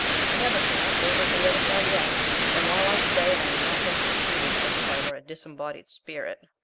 I have not passed over to the other side yet, and while I stay I am not going to be treated as if I were a disembodied spirit.